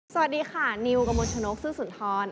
สวัสดีค่ะนิวกระมวลชนกซื้อสุนทร